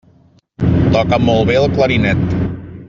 Toca molt bé el clarinet.